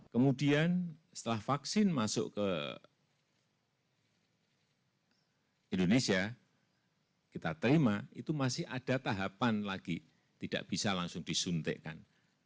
kemudian setelah vaksin masuk ke indonesia kita terima itu masih ada tahapan lagi tidak bisa langsung disuntikkan